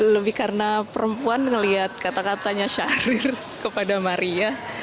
lebih karena perempuan melihat kata katanya syahrir kepada maria